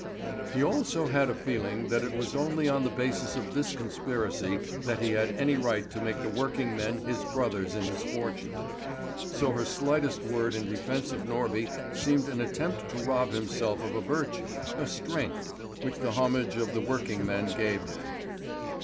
He also had a feeling that it was only on the basis of this conspiracy that he had any right to make the working men his brothers in misfortune; so her slightest word in defence of Norby seemed an attempt to rob himself of a virtue, a strength, which the homage of the working men gave him.